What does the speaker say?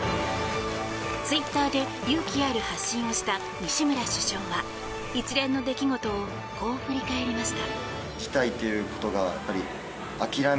ツイッターで勇気ある発信をした西村主将は一連の出来事をこう振り返りました。